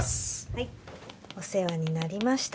はいお世話になりました